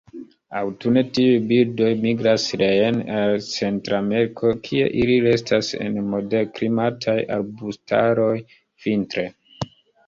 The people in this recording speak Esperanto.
Aŭtune tiuj birdoj migras reen al Centrameriko, kie ili restas en moderklimataj arbustaroj vintre.